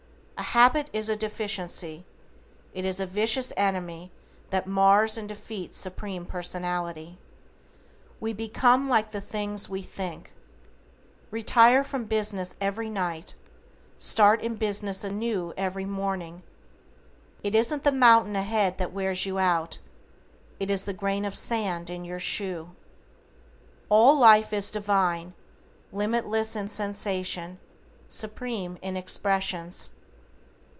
A habit is a deficiency, it is a vicious enemy that mars and defeats Supreme Personality. We become like the things we think. Retire from business every night, start in business anew every morning. It isn't the mountain ahead that wears you out, it is the grain of sand in your shoe. All life is divine, limitless in sensation, supreme in expressions.